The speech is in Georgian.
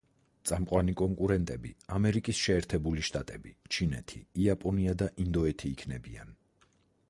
წამყვანი კონკურენტები ამერიკის შეერთებული შტატები, ჩინეთი, იაპონია და ინდოეთი იქნებიან.